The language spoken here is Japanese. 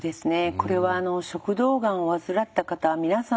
これはあの食道がんを患った方は皆さん